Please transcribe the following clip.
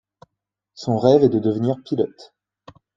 Son rêve est de devenir pilote.